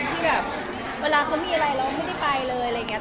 ที่แบบเวลาเขามีอะไรเราไม่ได้ไปเลยอะไรอย่างนี้